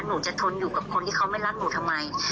หนูจะทนอยู่กับคนที่เขาไม่รักหนูทำไม